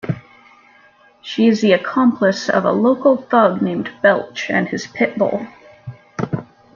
She is the accomplice of a local thug named Belch and his pit bull.